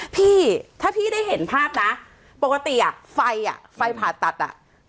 พี่ถ้าพี่ได้เห็นภาพนะปกติอ่ะไฟอ่ะไฟผ่าตัดอ่ะ